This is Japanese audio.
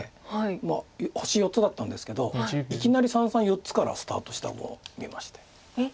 まあ星４つだったんですけどいきなり三々４つからスタートした碁を見ました。